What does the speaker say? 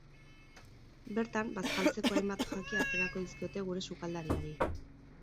Bertan, bazkaltzeko hainbat jaki aterako dizkiote gure sukaldariari.